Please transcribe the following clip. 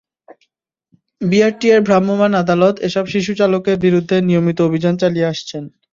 বিআরটিএর ভ্রাম্যমাণ আদালত এসব শিশু চালকের বিরুদ্ধে নিয়মিত অভিযান চালিয়ে আসছেন।